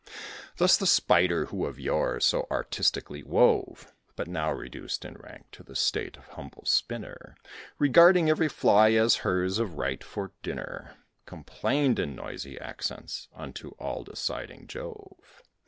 Thus the Spider, who of yore so artistically wove, But now reduced in rank to the state of humble spinner, Regarding every fly as hers of right for dinner, Complained in noisy accents unto all deciding Jove.